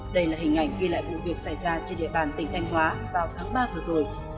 đây là hình ảnh ghi lại vụ việc xảy ra trên địa bàn tỉnh thanh hóa vào tháng ba vừa rồi